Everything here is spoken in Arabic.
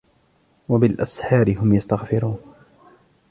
وبالأسحار هم يستغفرون